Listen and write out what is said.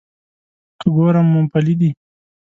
که ګورم مومپلي دي.